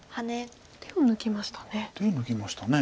手を抜きましたね。